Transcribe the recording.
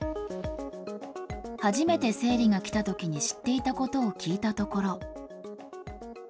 初めて生理が来たときに知っていたことを聞いたところ。